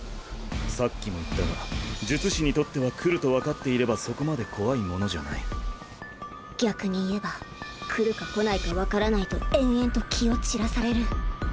さっきも言ったが術師にとっては来ると分かっていればそこまで怖いものじゃない逆に言えば来るか来ないか分からないと延々と気を散らされる。